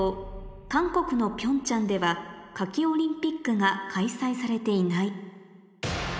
「韓国の平昌では夏季オリンピックが開催されていない」